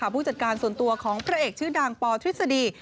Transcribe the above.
ผู้จัดการส่วนตัวของพระเอกชื่อดังปทฤษฎี